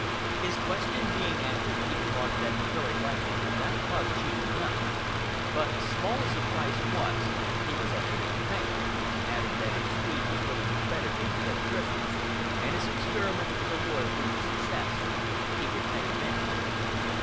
His question being answered, he remarked that very likely that was cheap enough, but, small as the price was, he was unable to pay it; adding that if Speed was willing to credit him until Christmas, and his experiment as a lawyer proved a success, he would pay then.